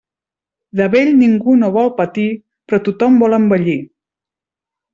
De vell ningú no vol patir, però tothom vol envellir.